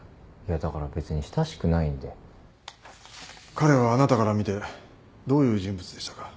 彼はあなたから見てどういう人物でしたか？